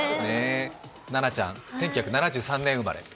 ナナちゃん、１９７３年生まれ。